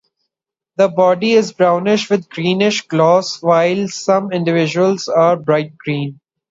The body is brownish with a greenish gloss, while some individuals are bright green.